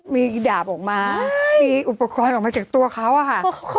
มีดาบออกมามีอุปกรณ์ออกมาจากตัวเขาอะค่ะ